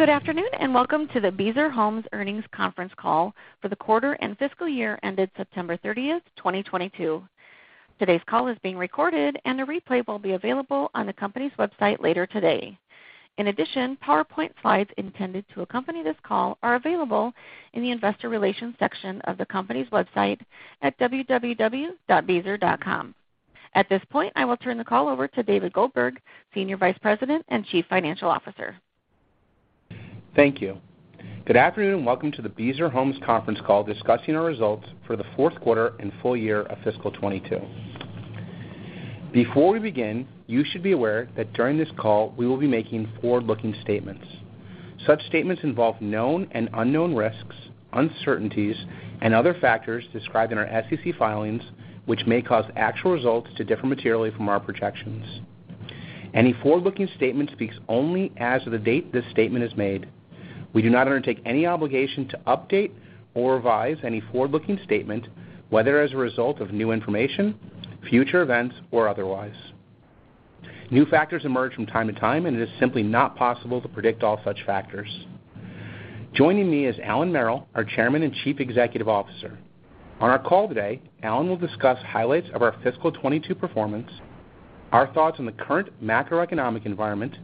Good afternoon, and welcome to the Beazer Homes Earnings Conference Call for the quarter and fiscal year ended September 30, 2022. Today's call is being recorded, and a replay will be available on the company's website later today. In addition, PowerPoint slides intended to accompany this call are available in the Investor Relations section of the company's website at www.beazer.com. At this point, I will turn the call over to David Goldberg, Senior Vice President and Chief Financial Officer. Thank you. Good afternoon, and welcome to the Beazer Homes conference call discussing our results for the fourth quarter and full year of fiscal 2022. Before we begin, you should be aware that during this call we will be making forward-looking statements. Such statements involve known and unknown risks, uncertainties, and other factors described in our SEC filings, which may cause actual results to differ materially from our projections. Any forward-looking statement speaks only as of the date this statement is made. We do not undertake any obligation to update or revise any forward-looking statement, whether as a result of new information, future events, or otherwise. New factors emerge from time to time, and it is simply not possible to predict all such factors. Joining me is Allan Merrill, our Chairman and Chief Executive Officer. On our call today, Allan will discuss highlights of our fiscal 2022 performance, our thoughts on the current macroeconomic environment,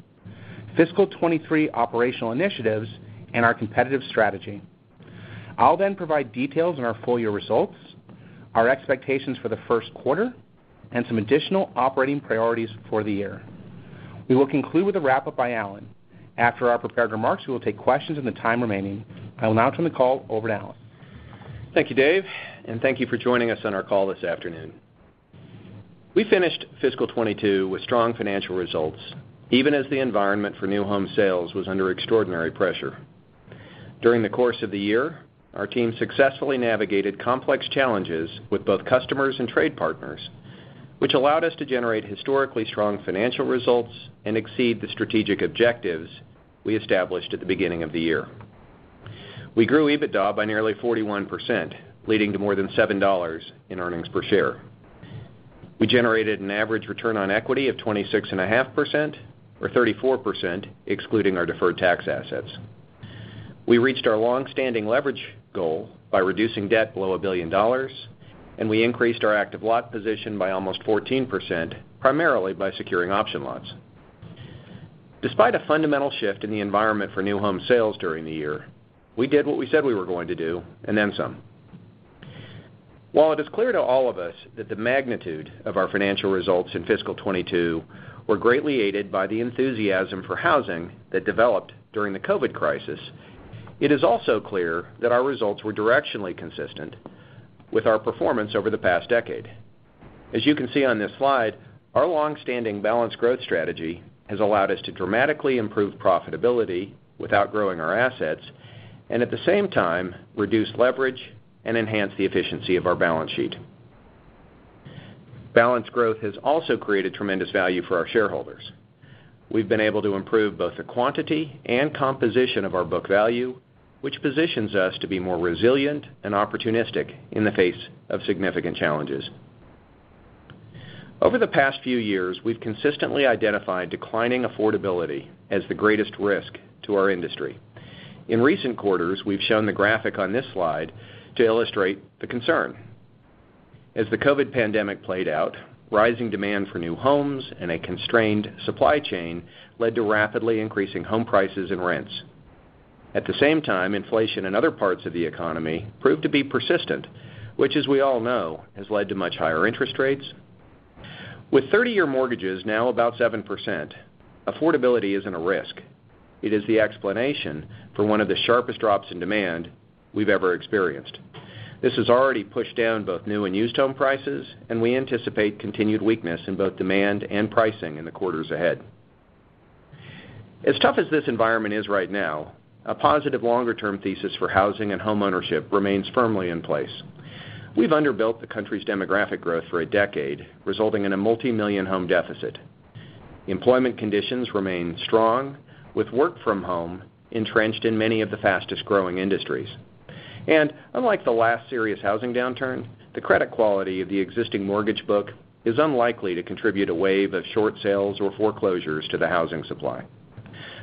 fiscal 2023 operational initiatives, and our competitive strategy. I'll then provide details on our full year results, our expectations for the first quarter, and some additional operating priorities for the year. We will conclude with a wrap-up by Allan. After our prepared remarks, we will take questions in the time remaining. I will now turn the call over to Allan. Thank you, Dave, and thank you for joining us on our call this afternoon. We finished fiscal 2022 with strong financial results, even as the environment for new home sales was under extraordinary pressure. During the course of the year, our team successfully navigated complex challenges with both customers and trade partners, which allowed us to generate historically strong financial results and exceed the strategic objectives we established at the beginning of the year. We grew EBITDA by nearly 41%, leading to more than $7 in earnings per share. We generated an average return on equity of 26.5%, or 34% excluding our deferred tax assets. We reached our long-standing leverage goal by reducing debt below $1 billion, and we increased our active lot position by almost 14%, primarily by securing option lots. Despite a fundamental shift in the environment for new home sales during the year, we did what we said we were going to do, and then some. While it is clear to all of us that the magnitude of our financial results in fiscal 2022 were greatly aided by the enthusiasm for housing that developed during the COVID crisis, it is also clear that our results were directionally consistent with our performance over the past decade. As you can see on this slide, our long-standing balanced growth strategy has allowed us to dramatically improve profitability without growing our assets, and at the same time, reduce leverage and enhance the efficiency of our balance sheet. Balanced growth has also created tremendous value for our shareholders. We've been able to improve both the quantity and composition of our book value, which positions us to be more resilient and opportunistic in the face of significant challenges. Over the past few years, we've consistently identified declining affordability as the greatest risk to our industry. In recent quarters, we've shown the graphic on this slide to illustrate the concern. As the COVID pandemic played out, rising demand for new homes and a constrained supply chain led to rapidly increasing home prices and rents. At the same time, inflation in other parts of the economy proved to be persistent, which, as we all know, has led to much higher interest rates. With 30-year mortgages now about 7%, affordability isn't a risk. It is the explanation for one of the sharpest drops in demand we've ever experienced. This has already pushed down both new and used home prices, and we anticipate continued weakness in both demand and pricing in the quarters ahead. As tough as this environment is right now, a positive longer-term thesis for housing and homeownership remains firmly in place. We've underbuilt the country's demographic growth for a decade, resulting in a multi-million home deficit. Employment conditions remain strong, with work from home entrenched in many of the fastest-growing industries. Unlike the last serious housing downturn, the credit quality of the existing mortgage book is unlikely to contribute a wave of short sales or foreclosures to the housing supply.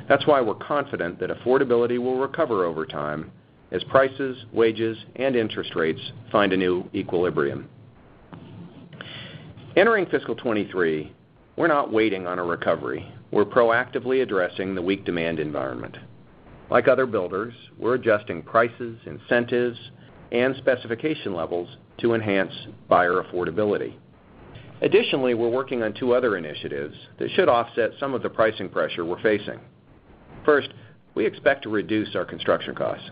That's why we're confident that affordability will recover over time as prices, wages, and interest rates find a new equilibrium. Entering fiscal 2023, we're not waiting on a recovery. We're proactively addressing the weak demand environment. Like other builders, we're adjusting prices, incentives, and specification levels to enhance buyer affordability. Additionally, we're working on two other initiatives that should offset some of the pricing pressure we're facing. First, we expect to reduce our construction costs.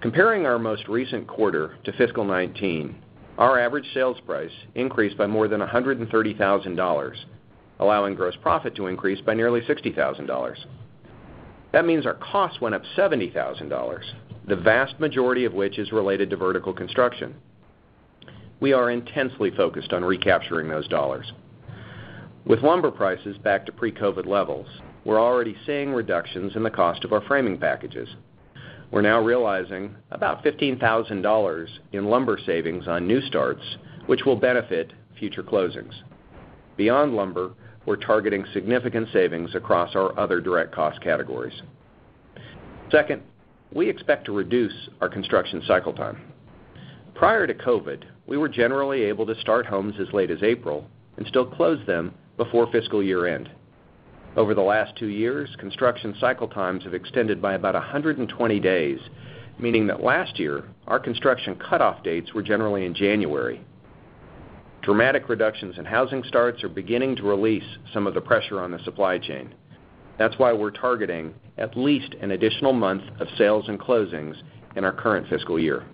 Comparing our most recent quarter to fiscal 2019, our average sales price increased by more than $130,000, allowing gross profit to increase by nearly $60,000. That means our costs went up $70,000, the vast majority of which is related to vertical construction. We are intensely focused on recapturing those dollars. With lumber prices back to pre-COVID levels, we're already seeing reductions in the cost of our framing packages. We're now realizing about $15,000 in lumber savings on new starts, which will benefit future closings. Beyond lumber, we're targeting significant savings across our other direct cost categories. Second, we expect to reduce our construction cycle time. Prior to COVID, we were generally able to start homes as late as April and still close them before fiscal year-end. Over the last 2 years, construction cycle times have extended by about 120 days, meaning that last year our construction cutoff dates were generally in January. Dramatic reductions in housing starts are beginning to release some of the pressure on the supply chain. That's why we're targeting at least an additional month of sales and closings in our current fiscal year.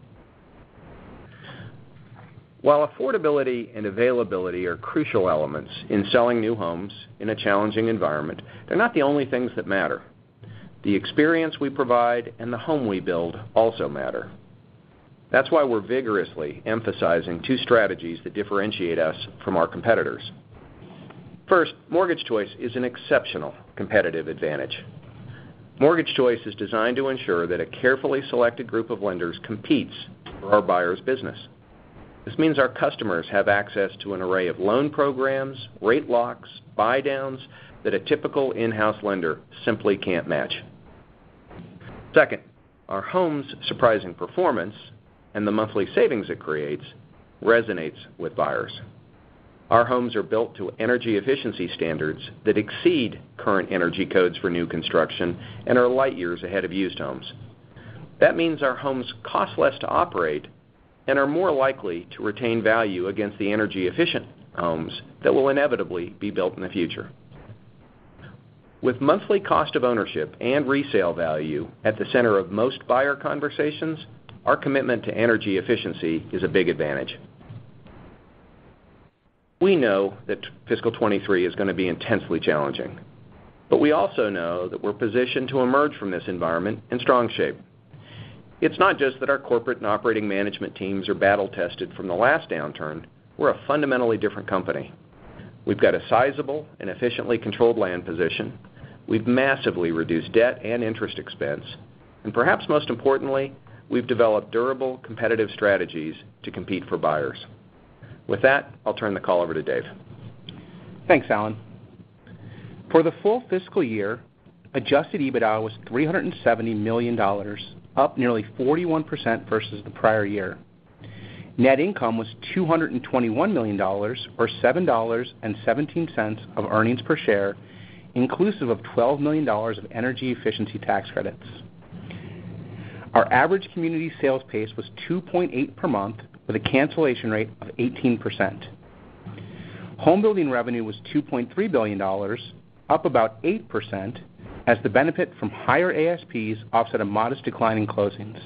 While affordability and availability are crucial elements in selling new homes in a challenging environment, they're not the only things that matter. The experience we provide and the home we build also matter. That's why we're vigorously emphasizing 2 strategies that differentiate us from our competitors. First, Mortgage Choice is an exceptional competitive advantage. Mortgage Choice is designed to ensure that a carefully selected group of lenders competes for our buyers' business. This means our customers have access to an array of loan programs, rate locks, buy downs that a typical in-house lender simply can't match. Second, our homes' surprising performance and the monthly savings it creates resonates with buyers. Our homes are built to energy efficiency standards that exceed current energy codes for new construction and are light years ahead of used homes. That means our homes cost less to operate and are more likely to retain value against the energy-efficient homes that will inevitably be built in the future. With monthly cost of ownership and resale value at the center of most buyer conversations, our commitment to energy efficiency is a big advantage. We know that fiscal 2023 is gonna be intensely challenging, but we also know that we're positioned to emerge from this environment in strong shape. It's not just that our corporate and operating management teams are battle-tested from the last downturn, we're a fundamentally different company. We've got a sizable and efficiently controlled land position, we've massively reduced debt and interest expense, and perhaps most importantly, we've developed durable, competitive strategies to compete for buyers. With that, I'll turn the call over to Dave. Thanks, Allan. For the full fiscal year, adjusted EBITDA was $370 million, up nearly 41% versus the prior year. Net income was $221 million or $7.17 of earnings per share, inclusive of $12 million of energy efficiency tax credits. Our average community sales pace was 2.8 per month with a cancellation rate of 18%. Home building revenue was $2.3 billion, up about 8% as the benefit from higher ASPs offset a modest decline in closings.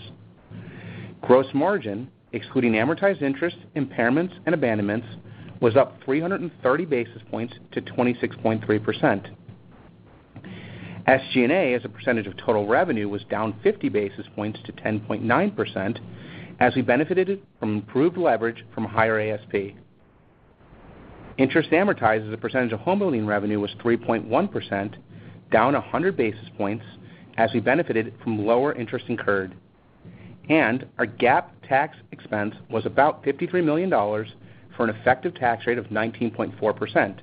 Gross margin, excluding amortized interest, impairments, and abandonments, was up 330 basis points to 26.3%. SG&A as a percentage of total revenue was down 50 basis points to 10.9% as we benefited from improved leverage from higher ASP. Interest amortized as a percentage of homebuilding revenue was 3.1%, down 100 basis points as we benefited from lower interest incurred. Our GAAP tax expense was about $53 million for an effective tax rate of 19.4%.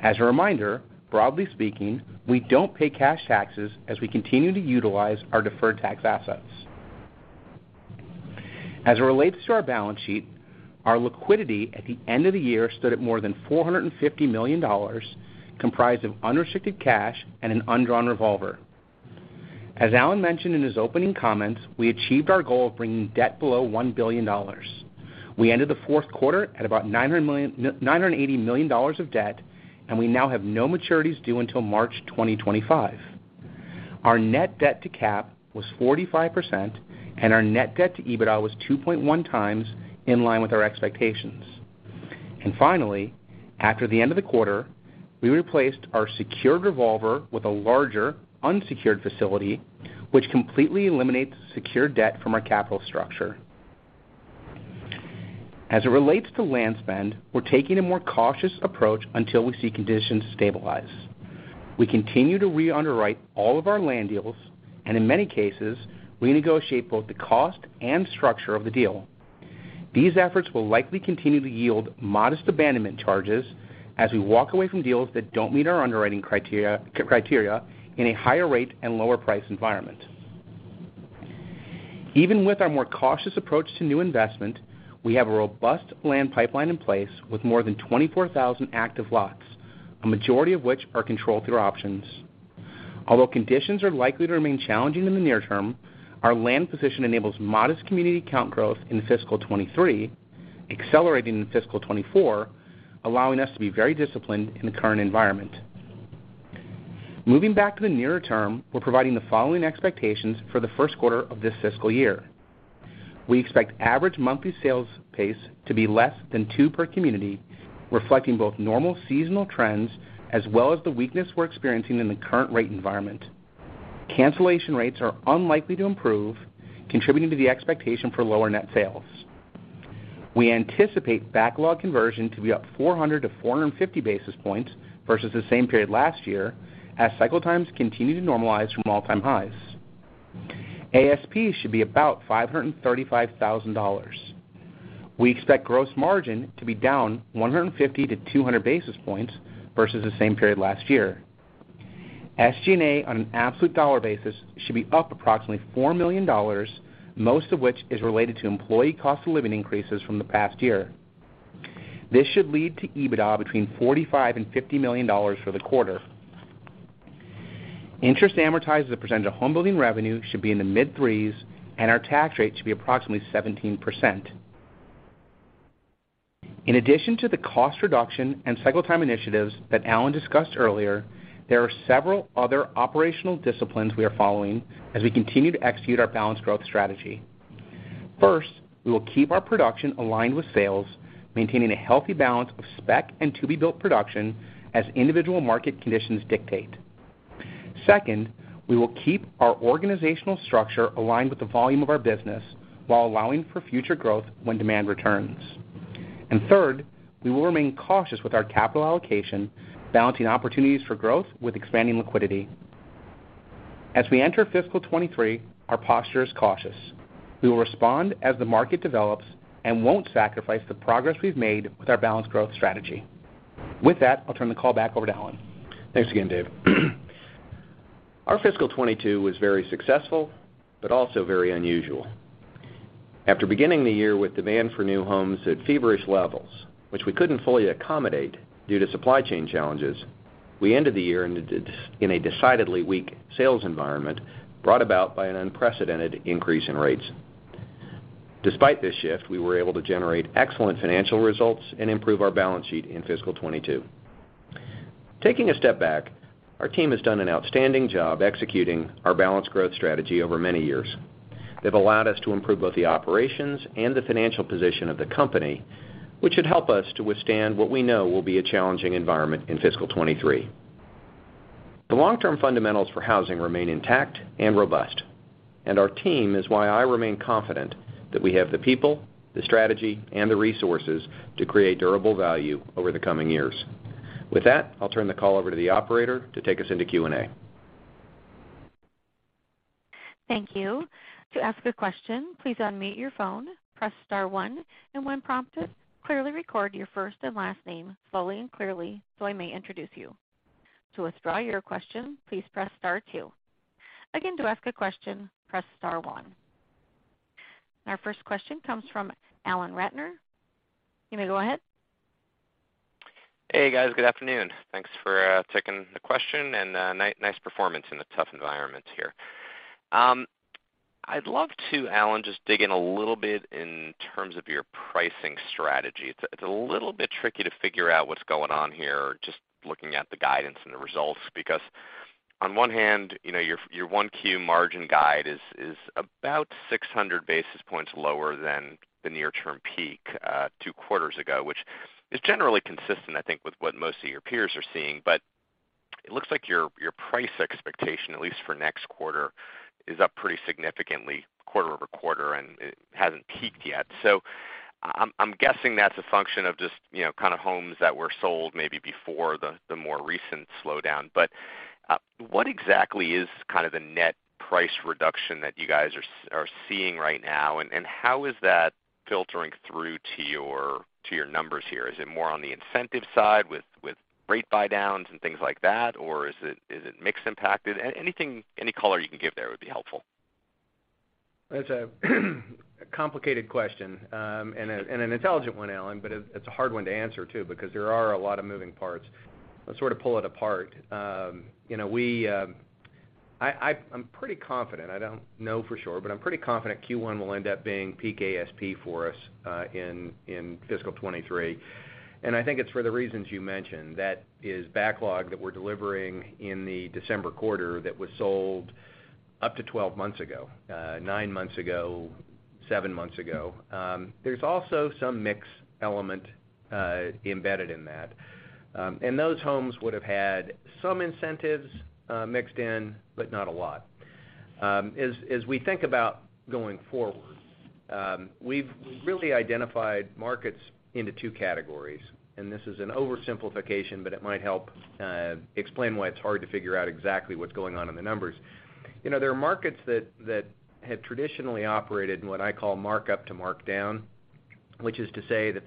As a reminder, broadly speaking, we don't pay cash taxes as we continue to utilize our deferred tax assets. As it relates to our balance sheet, our liquidity at the end of the year stood at more than $450 million, comprised of unrestricted cash and an undrawn revolver. As Allan mentioned in his opening comments, we achieved our goal of bringing debt below $1 billion. We ended the fourth quarter at about $980 million of debt, and we now have no maturities due until March 2025. Our net debt to capitalization was 45%, and our net debt to EBITDA was 2.1 times in line with our expectations. Finally, after the end of the quarter, we replaced our secured revolver with a larger unsecured facility, which completely eliminates secured debt from our capital structure. As it relates to land spend, we're taking a more cautious approach until we see conditions stabilize. We continue to re-underwrite all of our land deals, and in many cases, renegotiate both the cost and structure of the deal. These efforts will likely continue to yield modest abandonment charges as we walk away from deals that don't meet our underwriting criteria in a higher rate and lower price environment. Even with our more cautious approach to new investment, we have a robust land pipeline in place with more than 24,000 active lots, a majority of which are controlled through options. Although conditions are likely to remain challenging in the near term, our land position enables modest community count growth in fiscal 2023, accelerating in fiscal 2024, allowing us to be very disciplined in the current environment. Moving back to the nearer term, we're providing the following expectations for the first quarter of this fiscal year. We expect average monthly sales pace to be less than two per community, reflecting both normal seasonal trends as well as the weakness we're experiencing in the current rate environment. Cancellation rates are unlikely to improve, contributing to the expectation for lower net sales. We anticipate backlog conversion to be up 400-450 basis points versus the same period last year as cycle times continue to normalize from all-time highs. ASP should be about $535,000. We expect gross margin to be down 150-200 basis points versus the same period last year. SG&A on an absolute dollar basis should be up approximately $4 million, most of which is related to employee cost of living increases from the past year. This should lead to EBITDA between $45 million and $50 million for the quarter. Interest amortized as a percentage of homebuilding revenue should be in the mid threes, and our tax rate should be approximately 17%. In addition to the cost reduction and cycle time initiatives that Allan discussed earlier, there are several other operational disciplines we are following as we continue to execute our balanced growth strategy. First, we will keep our production aligned with sales, maintaining a healthy balance of spec and to-be-built production as individual market conditions dictate. Second, we will keep our organizational structure aligned with the volume of our business while allowing for future growth when demand returns. Third, we will remain cautious with our capital allocation, balancing opportunities for growth with expanding liquidity. As we enter fiscal 2023, our posture is cautious. We will respond as the market develops and won't sacrifice the progress we've made with our balanced growth strategy. With that, I'll turn the call back over to Allan. Thanks again, Dave. Our fiscal 2022 was very successful, but also very unusual. After beginning the year with demand for new homes at feverish levels, which we couldn't fully accommodate due to supply chain challenges, we ended the year in a decidedly weak sales environment brought about by an unprecedented increase in rates. Despite this shift, we were able to generate excellent financial results and improve our balance sheet in fiscal 2022. Taking a step back, our team has done an outstanding job executing our balanced growth strategy over many years. They've allowed us to improve both the operations and the financial position of the company, which should help us to withstand what we know will be a challenging environment in fiscal 2023. The long-term fundamentals for housing remain intact and robust, and our team is why I remain confident that we have the people, the strategy, and the resources to create durable value over the coming years. With that, I'll turn the call over to the operator to take us into Q&A. Thank you. To ask a question, please unmute your phone, press *1, and when prompted, clearly record your first and last name fully and clearly so I may introduce you. To withdraw your question, please press *2. Again, to ask a question, press *1. Our first question comes from Alan Ratner. You may go ahead. Hey, guys. Good afternoon. Thanks for taking the question and nice performance in the tough environment here. I'd love to, Alan, just dig in a little bit in terms of your pricing strategy. It's a little bit tricky to figure out what's going on here just looking at the guidance and the results. Because on one hand, you know, your 1Q margin guide is about 600 basis points lower than the near-term peak two quarters ago, which is generally consistent, I think, with what most of your peers are seeing. But it looks like your price expectation, at least for next quarter, is up pretty significantly quarter-over-quarter, and it hasn't peaked yet. I'm guessing that's a function of just, you know, kind of homes that were sold maybe before the more recent slowdown. What exactly is kind of the net price reduction that you guys are seeing right now? How is that filtering through to your numbers here? Is it more on the incentive side with rate buydowns and things like that? Or is it mix impacted? Anything, any color you can give there would be helpful. That's a complicated question, and an intelligent one, Allan, but it's a hard one to answer too because there are a lot of moving parts. Let's sort of pull it apart. You know, I'm pretty confident, I don't know for sure, but I'm pretty confident Q1 will end up being peak ASP for us, in fiscal 2023. I think it's for the reasons you mentioned, that is backlog that we're delivering in the December quarter that was sold up to 12 months ago, nine months ago, 7 months ago. There's also some mix element embedded in that. And those homes would've had some incentives mixed in, but not a lot. As we think about going forward, we've really identified markets into two categories, and this is an oversimplification, but it might help explain why it's hard to figure out exactly what's going on in the numbers. You know, there are markets that had traditionally operated in what I call markup to markdown, which is to say that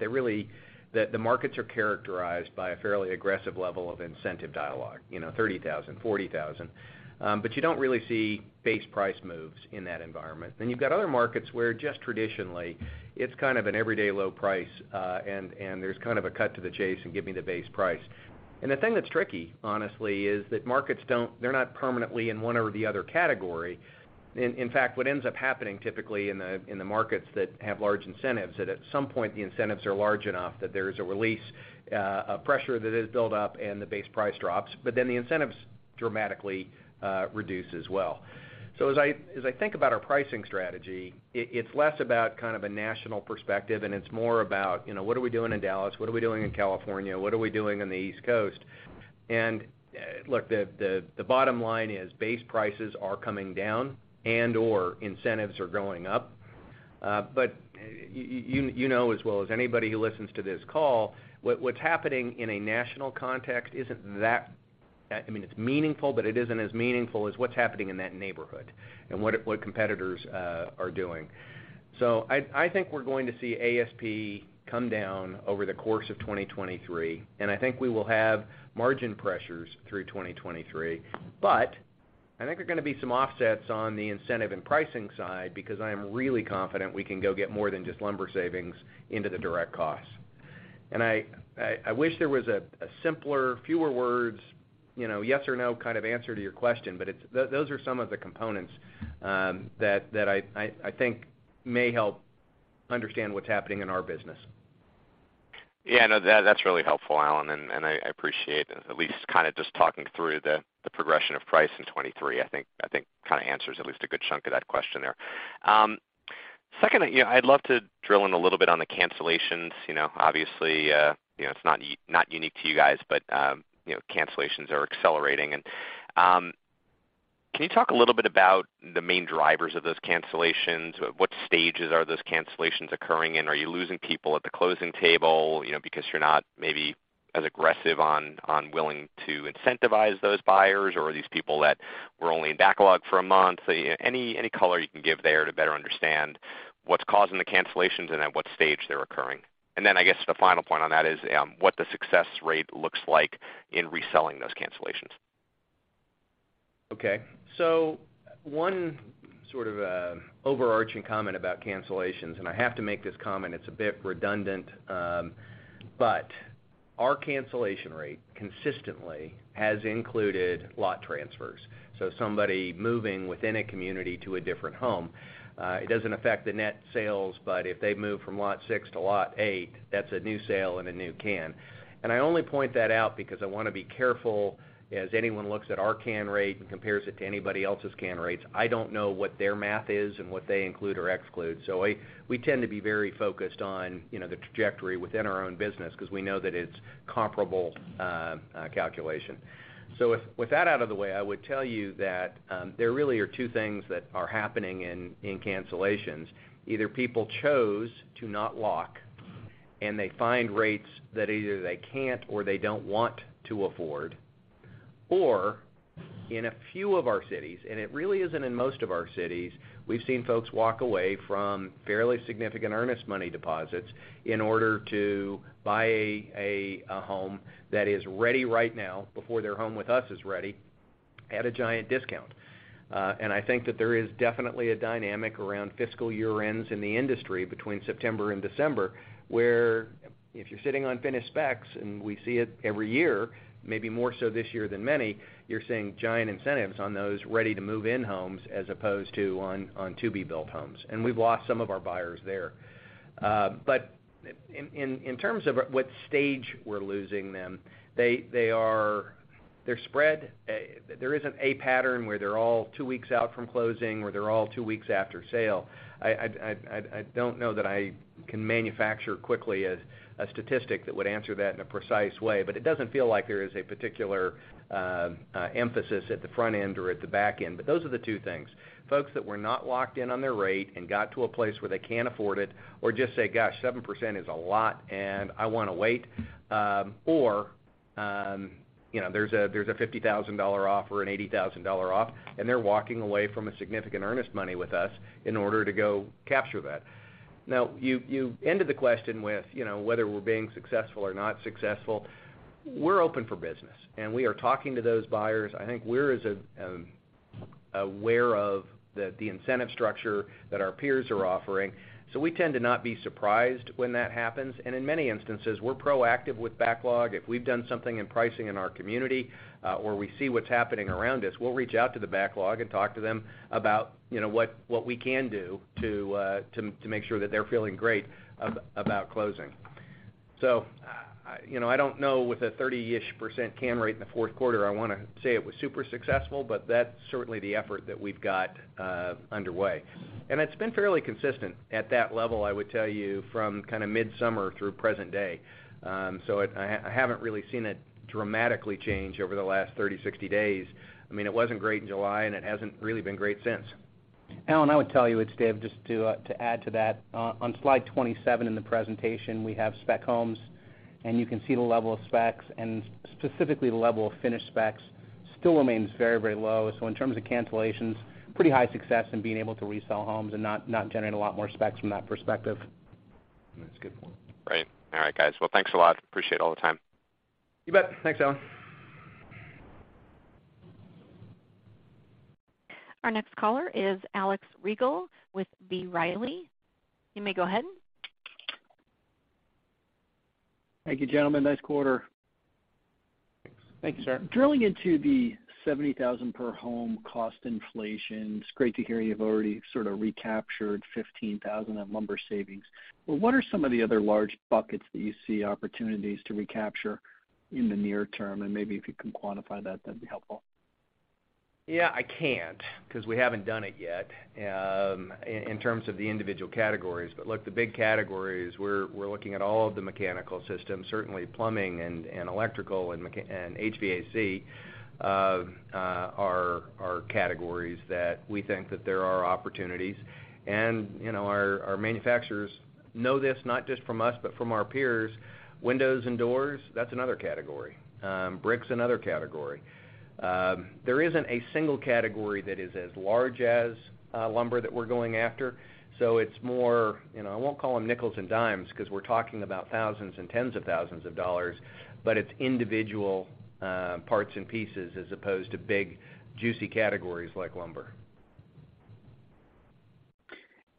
the markets are characterized by a fairly aggressive level of incentive dialogue, you know, $30,000, $40,000. You don't really see base price moves in that environment. You've got other markets where just traditionally, it's kind of an everyday low price, and there's kind of a cut to the chase and give me the base price. The thing that's tricky, honestly, is that markets, they're not permanently in one or the other category. In fact, what ends up happening typically in the markets that have large incentives, that at some point the incentives are large enough that there is a release, a pressure that is built up and the base price drops, but then the incentives dramatically reduce as well. As I think about our pricing strategy, it's less about kind of a national perspective, and it's more about, you know, what are we doing in Dallas? What are we doing in California? What are we doing on the East Coast? Look, the bottom line is base prices are coming down and/or incentives are going up. You know as well as anybody who listens to this call, what's happening in a national context isn't that. I mean, it's meaningful, but it isn't as meaningful as what's happening in that neighborhood and what competitors are doing. I think we're going to see ASP come down over the course of 2023, and I think we will have margin pressures through 2023. I think there are gonna be some offsets on the incentive and pricing side because I am really confident we can go get more than just lumber savings into the direct costs. I wish there was a simpler, fewer words, you know, yes or no kind of answer to your question, but it's those are some of the components that I think may help understand what's happening in our business. No, that's really helpful, Allan, and I appreciate at least kind of just talking through the progression of price in 2023. I think that kind of answers at least a good chunk of that question there. Second, you know, I'd love to drill in a little bit on the cancellations. You know, obviously, you know, it's not unique to you guys, but, you know, cancellations are accelerating. Can you talk a little bit about the main drivers of those cancellations? What stages are those cancellations occurring in? Are you losing people at the closing table, you know, because you're not maybe as aggressive on willing to incentivize those buyers, or are these people that were only in backlog for a month? Any color you can give there to better understand what's causing the cancellations and at what stage they're occurring. Then I guess the final point on that is, what the success rate looks like in reselling those cancellations. Okay. One sort of overarching comment about cancellations, and I have to make this comment, it's a bit redundant, but our cancellation rate consistently has included lot transfers. Somebody moving within a community to a different home. It doesn't affect the net sales, but if they move from lot 6 to lot 8, that's a new sale and a new can. I only point that out because I wanna be careful as anyone looks at our can rate and compares it to anybody else's can rates. I don't know what their math is and what they include or exclude. We tend to be very focused on, you know, the trajectory within our own business because we know that it's comparable calculation. With that out of the way, I would tell you that there really are two things that are happening in cancellations. Either people chose to not lock, and they find rates that either they can't or they don't want to afford, or in a few of our cities, and it really isn't in most of our cities, we've seen folks walk away from fairly significant earnest money deposits in order to buy a home that is ready right now before their home with us is ready at a giant discount. I think that there is definitely a dynamic around fiscal year-ends in the industry between September and December, where if you're sitting on finished specs, and we see it every year, maybe more so this year than many, you're seeing giant incentives on those ready-to-move-in homes as opposed to on to-be-built homes. We've lost some of our buyers there. In terms of at what stage we're losing them, they are they're spread. There isn't a pattern where they're all two weeks out from closing or they're all two weeks after sale. I don't know that I can manufacture quickly a statistic that would answer that in a precise way, but it doesn't feel like there is a particular emphasis at the front end or at the back end. Those are the two things. Folks that were not locked in on their rate and got to a place where they can't afford it or just say, "Gosh, 7% is a lot, and I wanna wait," or, you know, there's a $50,000 offer, an $80,000 offer, and they're walking away from a significant earnest money with us in order to go capture that. Now, you ended the question with, you know, whether we're being successful or not successful. We're open for business, and we are talking to those buyers. I think we're as aware of the incentive structure that our peers are offering, so we tend to not be surprised when that happens. In many instances, we're proactive with backlog. If we've done something in pricing in our community, or we see what's happening around us, we'll reach out to the backlog and talk to them about, you know, what we can do to make sure that they're feeling great about closing. I don't know with a 30-ish% cancel rate in the fourth quarter, I wanna say it was super successful, but that's certainly the effort that we've got underway. It's been fairly consistent at that level, I would tell you, from kind of midsummer through present day. I haven't really seen it dramatically change over the last 30, 60 days. I mean, it wasn't great in July, and it hasn't really been great since. Allan, I would tell you it's David, just to add to that. On slide 27 in the presentation, we have spec homes, and you can see the level of specs, and specifically the level of finished specs still remains very, very low. In terms of cancellations, pretty high success in being able to resell homes and not generate a lot more specs from that perspective. That's a good point. Great. All right, guys. Well, thanks a lot. Appreciate all the time. You bet. Thanks, Allan. Our next caller is Alex Rygiel with B. Riley. You may go ahead. Thank you, gentlemen. Nice quarter. Thanks sir. Drilling into the $70,000 per home cost inflation, it's great to hear you've already sort of recaptured $15,000 of lumber savings. What are some of the other large buckets that you see opportunities to recapture in the near term? Maybe if you can quantify that'd be helpful. I can't, 'cause we haven't done it yet, in terms of the individual categories. Look, the big categories we're looking at all of the mechanical systems. Certainly plumbing and electrical and HVAC are categories that we think that there are opportunities. You know, our manufacturers know this, not just from us, but from our peers, windows and doors, that's another category. Brick's another category. There isn't a single category that is as large as lumber that we're going after, so it's more, you know, I won't call them nickels and dimes, 'cause we're talking about thousands and tens of thousands of dollars, but it's individual parts and pieces as opposed to big, juicy categories like lumber.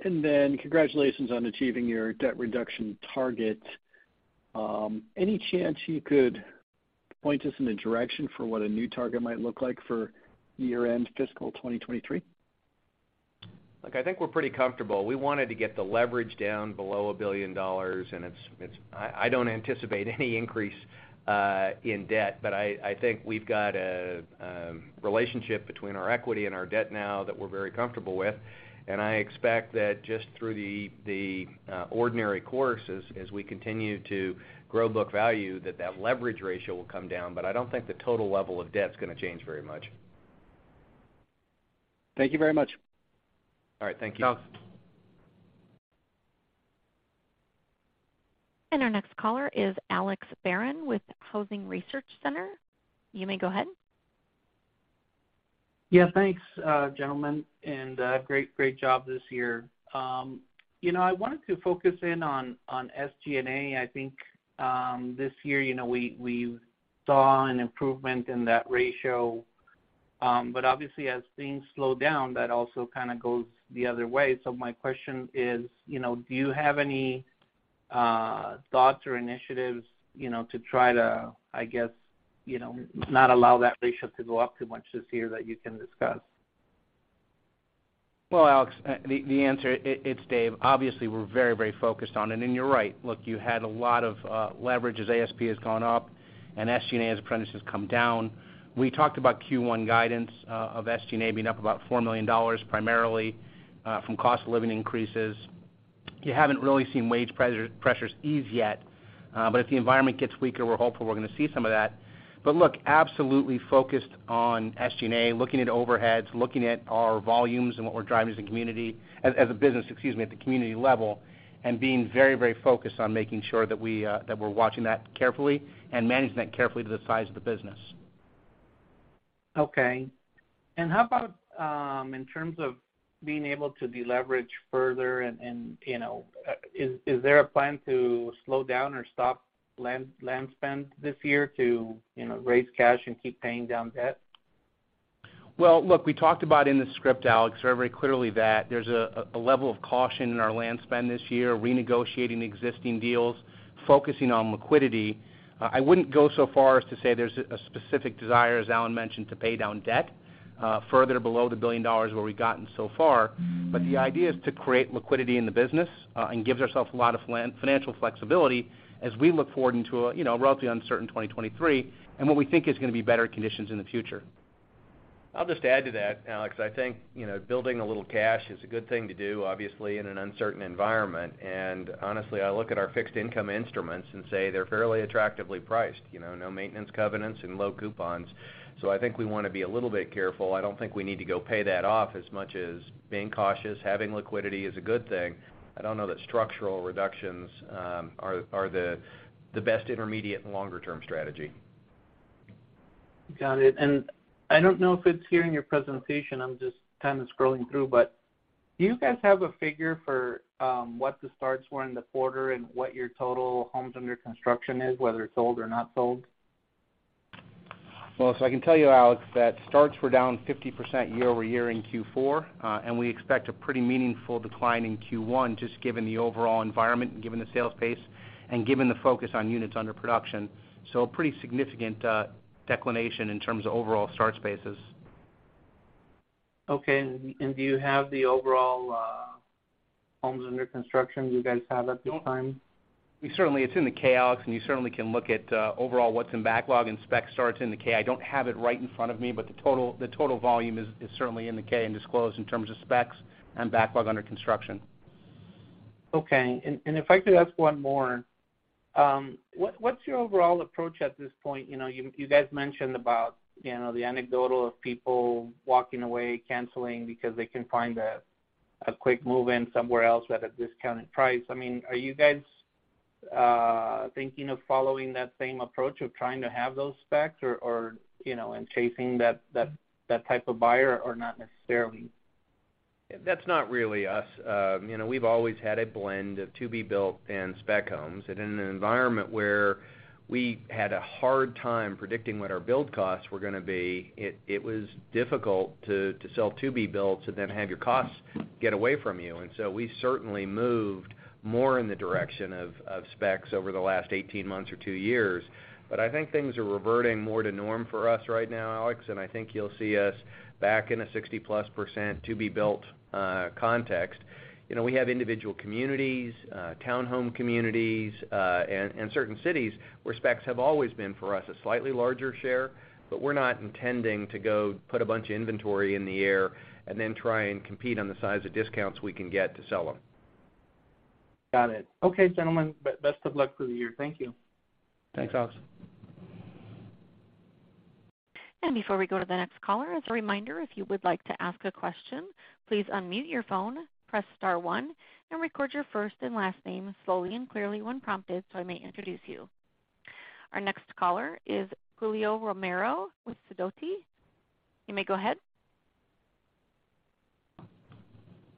Congratulations on achieving your debt reduction target. Any chance you could point us in a direction for what a new target might look like for year-end fiscal 2023? Look, I think we're pretty comfortable. We wanted to get the leverage down below $1 billion, and it's. I don't anticipate any increase in debt, but I think we've got a relationship between our equity and our debt now that we're very comfortable with. I expect that just through the ordinary course as we continue to grow book value, that leverage ratio will come down. I don't think the total level of debt's gonna change very much. Thank you very much. All right. Thank you. Thanks. Our next caller is Alex Barron with Housing Research Center. You may go ahead. Thanks, gentlemen, and great job this year. You know, I wanted to focus in on SG&A. I think this year, you know, we saw an improvement in that ratio. Obviously, as things slow down, that also kind of goes the other way. My question is, you know, do you have any thoughts or initiatives, you know, to try to, I guess, you know, not allow that ratio to go up too much this year that you can discuss? Well, Alex, the answer, it's Dave. Obviously, we're very focused on it. You're right. Look, you had a lot of leverage as ASP has gone up and SG&A as a percentage come down. We talked about Q1 guidance of SG&A being up about $4 million, primarily from cost of living increases. You haven't really seen wage pressures ease yet, but if the environment gets weaker, we're hopeful we're gonna see some of that. Look, absolutely focused on SG&A, looking at overheads, looking at our volumes and what we're driving as a community, as a business, excuse me, at the community level, and being very focused on making sure that we're watching that carefully and managing that carefully to the size of the business. Okay. How about in terms of being able to deleverage further and you know is there a plan to slow down or stop land spend this year to you know raise cash and keep paying down debt? Well, look, we talked about in the script, Alex, very, very clearly that there's a level of caution in our land spend this year, renegotiating existing deals, focusing on liquidity. I wouldn't go so far as to say there's a specific desire, as Allan mentioned, to pay down debt further below the $1 billion where we've gotten so far. The idea is to create liquidity in the business and gives ourselves a lot of financial flexibility as we look forward into a, you know, a relatively uncertain 2023 and what we think is gonna be better conditions in the future. I'll just add to that, Alex. I think, you know, building a little cash is a good thing to do, obviously, in an uncertain environment. Honestly, I look at our fixed income instruments and say they're fairly attractively priced. You know, no maintenance covenants and low coupons. I think we wanna be a little bit careful. I don't think we need to go pay that off as much as being cautious. Having liquidity is a good thing. I don't know that structural reductions are the best intermediate and longer term strategy. Got it. I don't know if it's here in your presentation, I'm just kind of scrolling through, but do you guys have a figure for what the starts were in the quarter and what your total homes under construction is, whether it's sold or not sold? I can tell you, Alex, that starts were down 50% year-over-year in Q4. We expect a pretty meaningful decline in Q1, just given the overall environment and given the sales pace and given the focus on units under production. A pretty significant declination in terms of overall starts paces. Okay. Do you have the overall, homes under construction you guys have at this time? We certainly. It's in the K, Alex, and you certainly can look at overall what's in backlog and spec starts in the K. I don't have it right in front of me, but the total volume is certainly in the K and disclosed in terms of specs and backlog under construction. Okay. If I could ask one more. What's your overall approach at this point? You know, you guys mentioned about, you know, the anecdotal of people walking away, canceling because they can find a quick move-in somewhere else at a discounted price. I mean, are you guys thinking of following that same approach of trying to have those specs or, you know, and chasing that type of buyer or not necessarily? That's not really us. You know, we've always had a blend of to-be-built and spec homes. In an environment where we had a hard time predicting what our build costs were gonna be, it was difficult to sell to-be-built and then have your costs get away from you. We certainly moved more in the direction of specs over the last 18 months or 2 years. I think things are reverting more to norm for us right now, Alex, and I think you'll see us back in a 60%+ to-be-built context. You know, we have individual communities, townhome communities, and certain cities where specs have always been, for us, a slightly larger share. We're not intending to go put a bunch of inventory in the air and then try and compete on the size of discounts we can get to sell them. Got it. Okay, gentlemen. Best of luck for the year. Thank you. Thanks, Alex. Before we go to the next caller, as a reminder, if you would like to ask a question, please unmute your phone, press star one, and record your first and last name slowly and clearly when prompted so I may introduce you. Our next caller is Julio Romero with Sidoti. You may go ahead.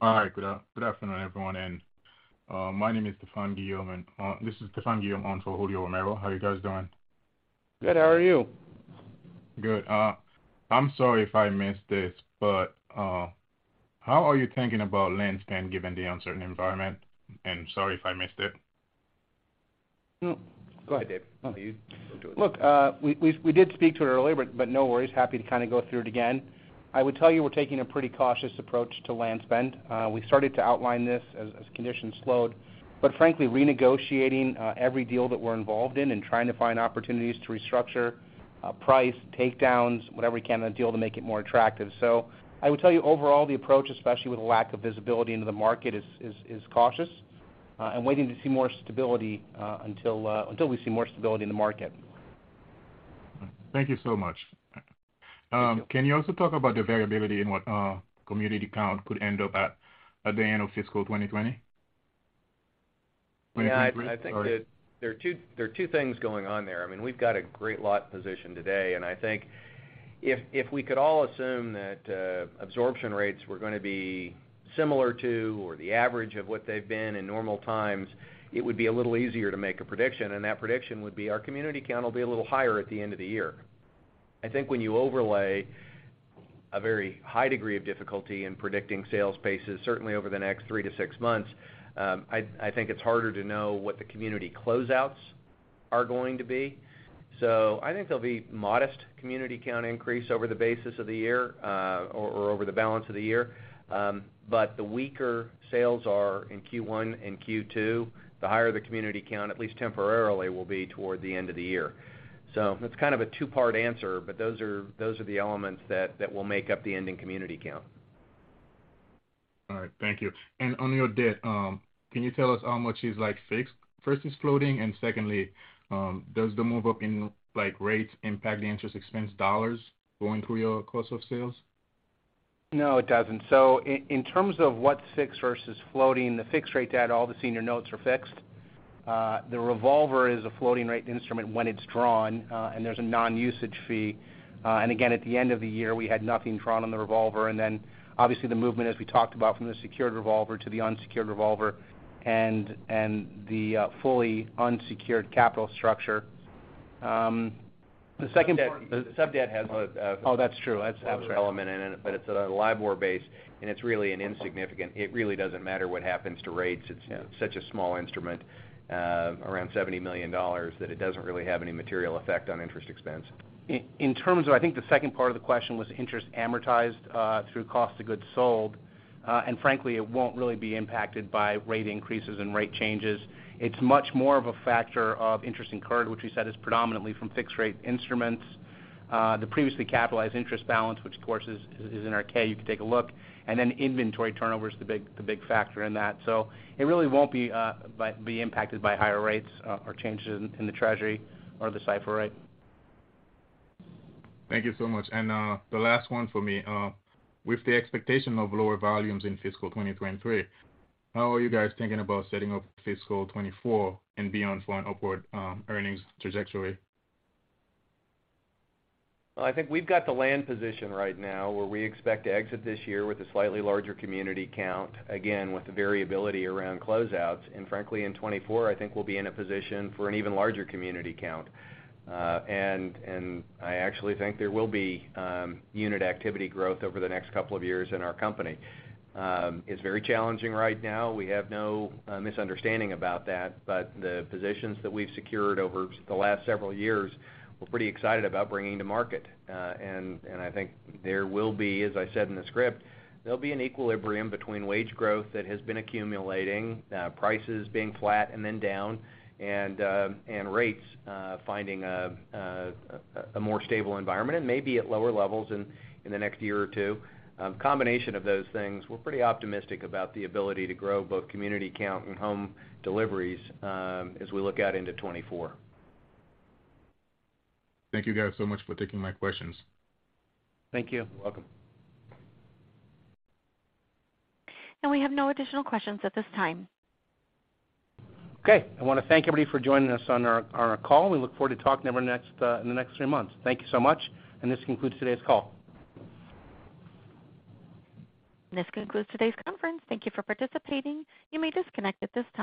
All right. Good afternoon, everyone. My name is Stefano Guido. This is Stefano Guido on for Julio Romero. How are you guys doing? Good. How are you? Good. I'm sorry if I missed this, but, how are you thinking about land spend given the uncertain environment? Sorry if I missed it. No. Go ahead, Dave. Go ahead, Dave. You go to it. Look, we did speak to it earlier, but no worries. Happy to kind of go through it again. I would tell you we're taking a pretty cautious approach to land spend. We started to outline this as conditions slowed, but frankly, renegotiating every deal that we're involved in and trying to find opportunities to restructure price, takedowns, whatever we can on a deal to make it more attractive. I would tell you, overall, the approach, especially with the lack of visibility into the market is cautious, and waiting to see more stability until we see more stability in the market. Thank you so much. Can you also talk about the variability in what, community count could end up at the end of fiscal 2020? I think that there are two things going on there. I mean, we've got a great lot position today, and I think if we could all assume that absorption rates were gonna be similar to or the average of what they've been in normal times, it would be a little easier to make a prediction, and that prediction would be our community count will be a little higher at the end of the year. I think when you overlay a very high degree of difficulty in predicting sales paces, certainly over the next three to six months, I think it's harder to know what the community closeouts are going to be. I think there'll be modest community count increase over the balance of the year. The weaker sales are in Q1 and Q2, the higher the community count, at least temporarily, will be toward the end of the year. That's kind of a two-part answer, but those are the elements that will make up the ending community count. All right. Thank you. On your debt, can you tell us how much is like fixed versus floating? Secondly, does the move up in like rates impact the interest expense dollars going through your cost of sales? No, it doesn't. In terms of what's fixed versus floating, the fixed rate debt, all the senior notes are fixed. The revolver is a floating rate instrument when it's drawn, and there's a non-usage fee. Again, at the end of the year, we had nothing drawn on the revolver. Obviously the movement as we talked about from the secured revolver to the unsecured revolver and the fully unsecured capital structure. The second- The sub debt has a. That's true. That's absolutely. Element in it, but it's a LIBOR base, and it's really an insignificant. It really doesn't matter what happens to rates. It's such a small instrument, around $70 million, that it doesn't really have any material effect on interest expense. In terms of, I think the second part of the question was interest amortized through cost of goods sold, and frankly, it won't really be impacted by rate increases and rate changes. It's much more of a factor of interest incurred, which we said is predominantly from fixed rate instruments. The previously capitalized interest balance, which of course is in our K, you can take a look, and then inventory turnover is the big factor in that. It really won't be impacted by higher rates or changes in the Treasury or the SOFR rate. Thank you so much. The last one for me, with the expectation of lower volumes in fiscal 2023, how are you guys thinking about setting up fiscal 2024 and beyond for an upward earnings trajectory? Well, I think we've got the land position right now, where we expect to exit this year with a slightly larger community count, again, with the variability around closeouts. Frankly, in 2024, I think we'll be in a position for an even larger community count. I actually think there will be unit activity growth over the next couple of years in our company. It's very challenging right now. We have no misunderstanding about that. The positions that we've secured over the last several years, we're pretty excited about bringing to market. I think there will be, as I said in the script, there'll be an equilibrium between wage growth that has been accumulating, prices being flat and then down, and rates finding a more stable environment and maybe at lower levels in the next year or two. A combination of those things, we're pretty optimistic about the ability to grow both community count and home deliveries, as we look out into 2024. Thank you guys so much for taking my questions. Thank you. You're welcome. We have no additional questions at this time. Okay. I wanna thank everybody for joining us on our call. We look forward to talking to everyone next in the next three months. Thank you so much, and this concludes today's call. This concludes today's conference. Thank you for participating. You may disconnect at this time.